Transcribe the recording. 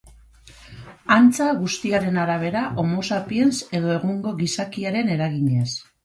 Antza guztiaren arabera homo sapiens edo egungo gizakiaren eraginez.